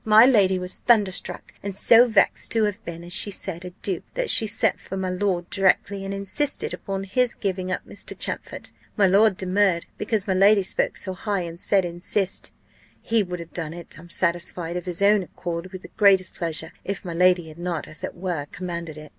My lady was thunderstruck, and so vexed to have been, as she said, a dupe, that she sent for my lord directly, and insisted upon his giving up Mr. Champfort. My lord demurred, because my lady spoke so high, and said insist. He would have done it, I'm satisfied, of his own accord with the greatest pleasure, if my lady had not, as it were, commanded it.